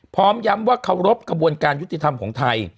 พร้อมย้ำว่าเคารพกระบวนการยุติธรรมของไทย